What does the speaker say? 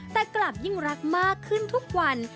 แต่กลับยิ่งรักมากขึ้นทุกวัน